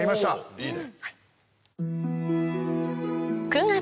いいね。